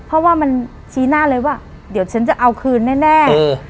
เพราะว่ามันชี้หน้าเลยว่าเดี๋ยวฉันจะเอาคืนแน่